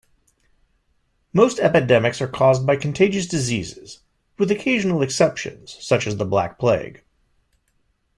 Most epidemics are caused by contagious diseases, with occasional exceptions, such as black plague.